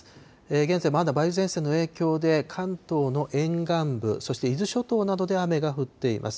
現在、まだ梅雨前線の影響で、関東の沿岸部、そして伊豆諸島などで雨が降っています。